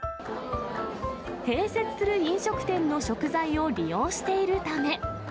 併設する飲食店の食材を利用しているため。